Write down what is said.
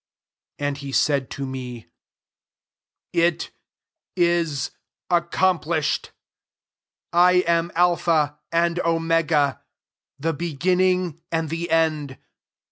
6 And he said to me, "It is accomplished. I am Alpha and Omega, the beginning and the end.